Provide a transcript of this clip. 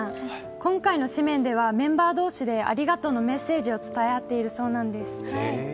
今回の誌面ではメンバー同士でありがとうのメッセージを伝え合っているそうなんです。